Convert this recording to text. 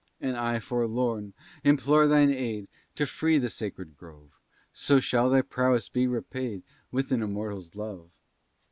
"And I, forlorn! implore thine aid, To free the sacred grove; So shall thy prowess be repaid With an immortal's love."